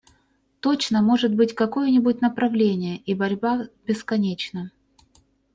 Точно может быть какое-нибудь направление и борьба в бесконечном!